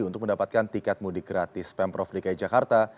untuk mendapatkan tiket mudik gratis pemprov dki jakarta